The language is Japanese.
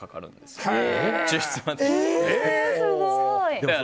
すごい！